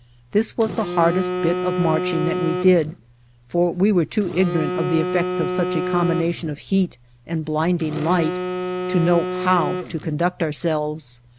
This was the hardest bit of marching that we did, for we were too ignorant of the efifects of such a combination of heat and blinding light to know how to conduct ourselves.